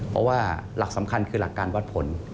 เพราะว่าหลักสำคัญคือหลักการวัดผล